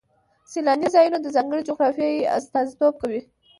سیلاني ځایونه د ځانګړې جغرافیې استازیتوب کوي.